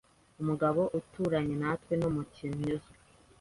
Umugabo uturanye natwe ni umukinnyi uzwi.